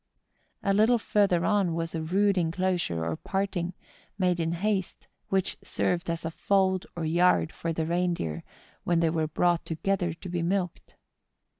A little further on was a rude enclosure or part¬ ing, made in haste, which served as a fold or yard for the rein deer when they were brought together to be milked.